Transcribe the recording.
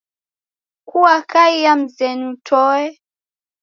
Kuakaiya mzenyu toe?